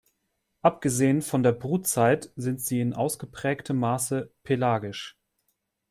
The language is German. Abgesehen von der Brutzeit sind sie in ausgeprägtem Maße pelagisch.